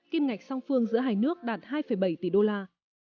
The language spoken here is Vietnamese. kim ngạch song phương giữa hai nước đạt hai bảy tỷ đô la